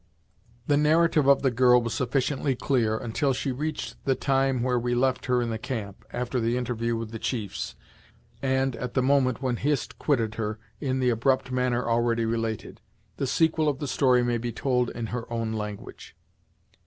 The narrative of the girl was sufficiently clear, until she reached the time where we left her in the camp, after the interview with the chiefs, and, at the moment when Hist quitted her, in the abrupt manner already related. The sequel of the story may be told in her own language.